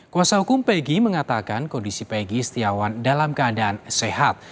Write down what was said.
kuasa hukum peggy mengatakan kondisi peggy setiawan dalam keadaan sehat